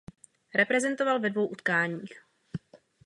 Reprezentoval ve dvou utkáních.